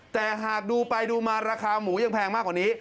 แต่หากดูไปดูมาราคาหมูยังแพงมากกว่านี้